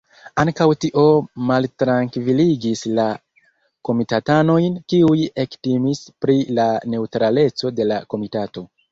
Ankaŭ tio maltrankviligis la komitatanojn, kiuj ektimis pri la neŭtraleco de la komitato.